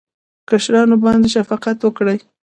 کشرانو باندې شفقت وکړئ